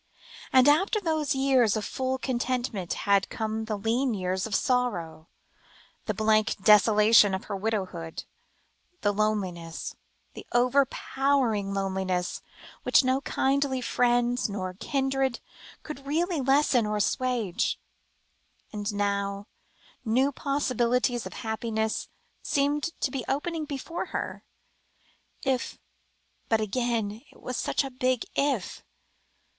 And after those years of full content had come the lean years of sorrow the blank desolation of her widowhood, the loneliness, the overpowering loneliness, which no kindly friends nor kindred could really lessen or assuage. And now, new possibilities of happiness seemed to be opening before her, if but again it was such a big "if."